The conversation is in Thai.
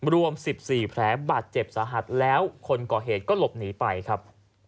รวม๑๔แผลบาดเจ็บสาหัสแล้วคนก่อเหตุก็หลบหนีไปครับ